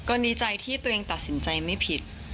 ก็ดีใจที่ตัดสินใจไม่ผิด